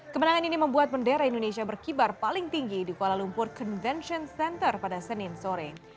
kemenangan ini membuat bendera indonesia berkibar paling tinggi di kuala lumpur convention center pada senin sore